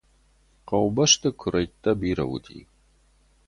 Хъӕубӕсты куырӕйттӕ бирӕ уыди.